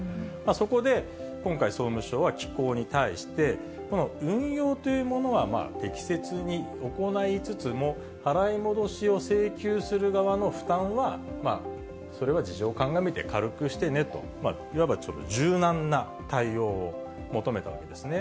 そこで今回、総務省は機構に対して、この運用というものは適切に行いつつも、払い戻しを請求する側の負担はそれは事情を鑑みて軽くしてねと、いわば柔軟な対応を求めたわけですね。